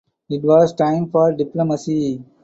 It was time for diplomacy.